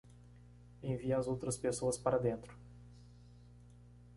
Envie as outras pessoas para dentro.